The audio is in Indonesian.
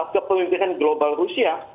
ke pemimpinan global rusia